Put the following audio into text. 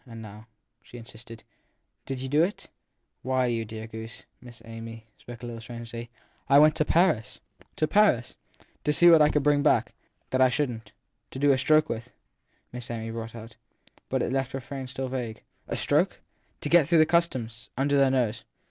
And how, she insisted, i did you do it ? Why, you dear goose, Miss Amy spoke a little strangely, I went to Paris. 1 To Paris ? To see what I could bring back that I mightn t, that I shouldn t. To do a stroke with ! Miss Amy brought out. But it left her friend still vague. A stroke ? To get through the Customs under their nose.